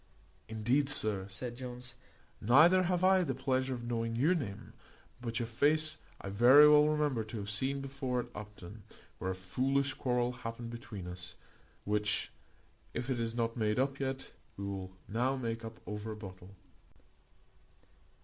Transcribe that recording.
"Indeed, sir," said Jones, "neither have I the pleasure of knowing your name, but your face I very well remember to have seen before at Upton, where a foolish quarrel happened between us, which, if it is not made up yet, we will now make up over a bottle."